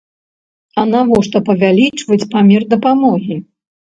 А навошта павялічваць памер дапамогі?